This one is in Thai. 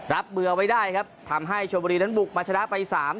รับมือเอาไว้ได้ครับทำให้ชมบุรีนั้นบุกมาชนะไปสาม